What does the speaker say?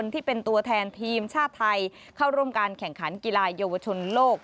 ที่เป็นตัวแทนทีมชาติไทยเข้าร่วมการแข่งขันกีฬาเยาวชนโลก